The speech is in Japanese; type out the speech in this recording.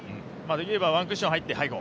できればワンクッション入って。